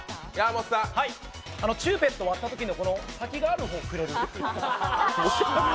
チューペット割ったときの先のある方、くれる。